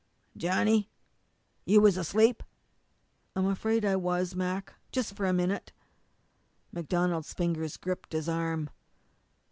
"Johnny, you was asleep!" "I'm afraid I was, Mac just for a minute." MacDonald's fingers gripped his arm.